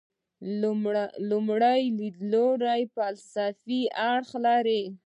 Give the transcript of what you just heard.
لومړی لیدلوری فلسفي اړخ لري.